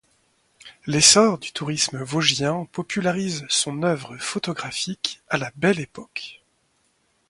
L'essor du tourisme vosgien popularise son œuvre photographique à la Belle Époque.